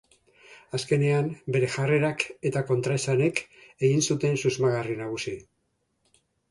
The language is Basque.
Azkenean, bere jarrerak eta kontraesanek egin zuten susmagarri nagusi.